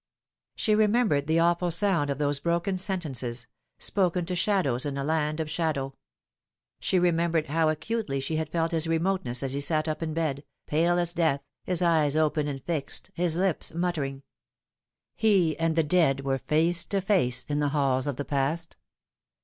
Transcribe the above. She remembered the awful found of those broken sentences spoken to shadows in a land of shadow. She remembered how acutely she had felt his remoteness as he sat up in bed, pale as death, his eyes open and fixed, his lips muttering. He and the dead were face to face in the halls of the past.